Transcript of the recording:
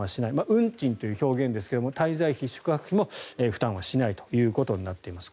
運賃という表現ですが滞在費、宿泊費も負担はしないことになっています。